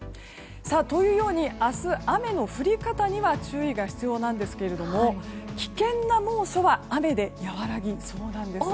明日、雨の降り方には注意が必要なんですが危険な猛暑は雨で和らぎそうなんです。